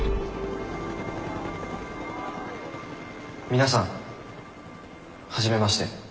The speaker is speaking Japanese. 皆さん初めまして。